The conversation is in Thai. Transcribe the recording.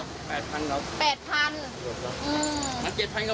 อ๋อบอกว่า๖เดือนยังไม่จ่ายแล้วค่าใช้เท่าไหร่นะ